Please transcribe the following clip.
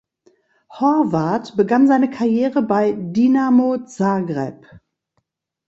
Horvat begann seine Karriere bei Dinamo Zagreb.